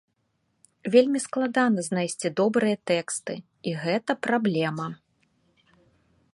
Вельмі складана знайсці добрыя тэксты, і гэта праблема.